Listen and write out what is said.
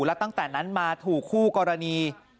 แล้วตั้งแต่นั้นมาถูกคู่กรณี